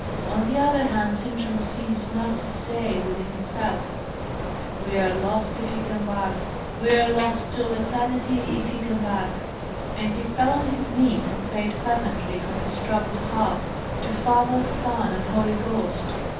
On the other hand, Sintram ceased not to say within himself, "We are lost, if he come back! We are lost to all eternity, if he come back!" And he fell on his knees, and prayed fervently from his troubled heart to Father, Son, and Holy Ghost.